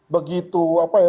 begitu apa ya